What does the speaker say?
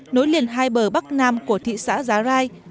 nối liền hai bờ bắc nam của thị xã giá rai